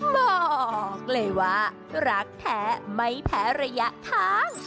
บอกเลยว่ารักแท้ไม่แพ้ระยะทาง